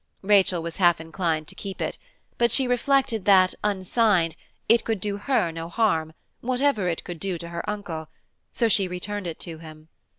Rachel was half inclined to keep it, but she reflected that, unsigned, it could do her no harm, whatever it could do to her Uncle, so she returned it to him.